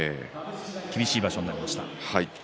厳しい場所になりました。